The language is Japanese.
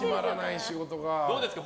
どうですか？